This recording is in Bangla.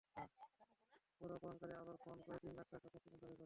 পরে অপহরণকারীরা আবার ফোন করে তিন লাখ টাকা মুক্তিপণ দাবি করে।